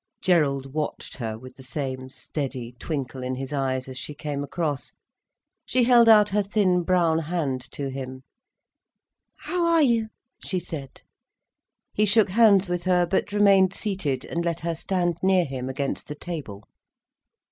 Gerald watched her with the same steady twinkle in his eyes as she came across. She held out her thin brown hand to him. "How are you?" she said. He shook hands with her, but remained seated, and let her stand near him, against the table.